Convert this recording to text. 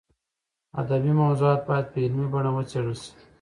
ادبي موضوعات باید په علمي بڼه وڅېړل شي.